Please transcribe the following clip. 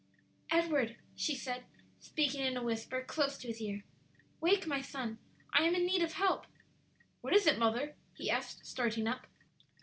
"Edward," she said, speaking in a whisper close to his ear, "wake, my son; I am in need of help." "What is it, mother?" he asked, starting up.